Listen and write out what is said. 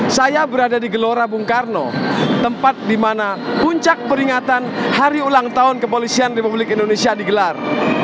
saya berada di gelora bung karno tempat di mana puncak peringatan hari ulang tahun kepolisian republik indonesia digelar